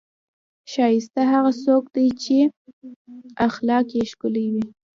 ښایسته هغه څوک دی، چې اخلاق یې ښکلي وي.